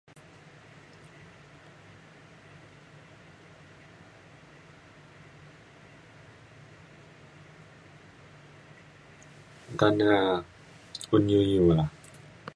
nta na un iu iu ngela.